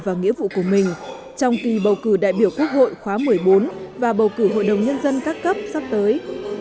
bầu cử hội đồng nhân dân các cấp sắp tới